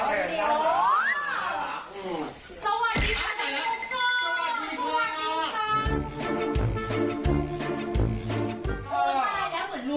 สวัสดีค่ะสวัสดีค่ะ